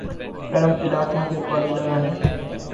گرم علاقوں کے پودے لگانے